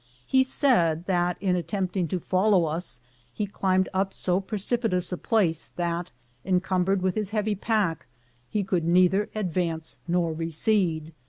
He said that in attempting to follow us he climbed up so precipitous a place that, encumbered with his heavy pack, he could neither advance nor recede.